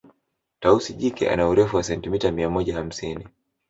Tausi jike ana Urefu wa sentimita mia moja hamsini